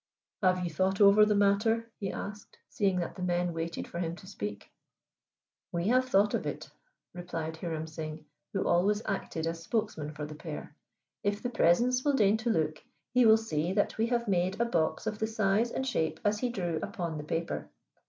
"Have ye thought over the matter?" he asked, seeing that the men waited for him to speak. "We have thought of it," replied Hiram Singh, who always acted as spokesman for the pair. "If the Presence will deign to look, he will see that we have made a box of the size and shape as he drew upon the paper."